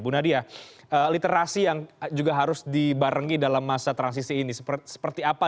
bu nadia literasi yang juga harus dibarengi dalam masa transisi ini seperti apa